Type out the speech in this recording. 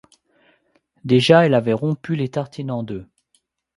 Déjà, elle avait rompu les tartines en deux.